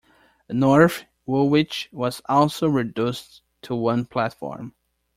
North Woolwich was also reduced to one platform.